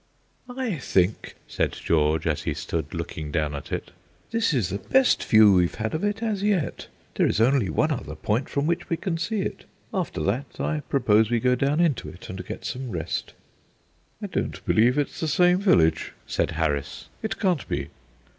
"I think," said George, as he stood looking down at it, "this is the best view we've had of it, as yet. There is only one other point from which we can see it. After that, I propose we go down into it and get some rest." "I don't believe it's the same village," said Harris; "it can't be."